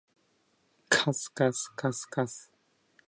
かすかすかすかす